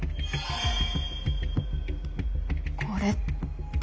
これって。